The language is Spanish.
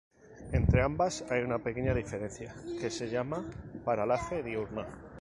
Entre ambas hay una pequeña diferencia que se llama Paralaje diurna.